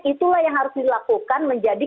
itulah yang harus dilakukan menjadi